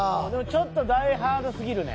ちょっと『ダイ・ハード』すぎるね。